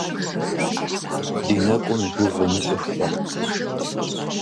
Ди нэкӀум и гугъу умыщӀыххэ.